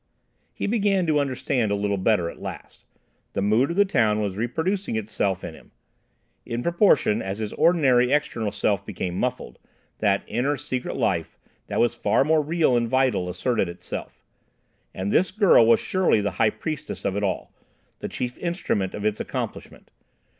He began to understand a little better at last. The mood of the town was reproducing itself in him. In proportion as his ordinary external self became muffled, that inner secret life, that was far more real and vital, asserted itself. And this girl was surely the high priestess of it all, the chief instrument of its accomplishment.